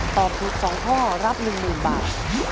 ตอบถูก๒ข้อรับ๑๐๐๐บาท